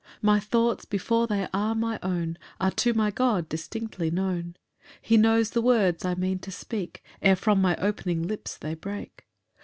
2 My thoughts, before they are my own, Are to my God distinctly known; He knows the words I mean to speak Ere from my opening lips they break.